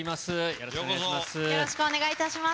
よろしくお願いします。